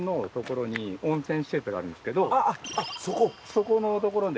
そこの所で。